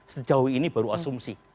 sejauh ini baru asumsi